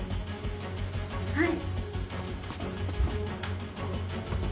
はい。